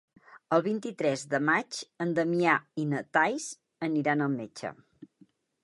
El vint-i-tres de maig en Damià i na Thaís aniran al metge.